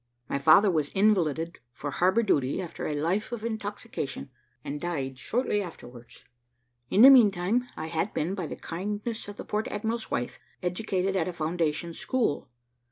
My father was invalided for harbour duty after a life of intoxication, and died shortly afterwards. In the meantime I had been, by the kindness of the port admiral's wife, educated at a foundation school.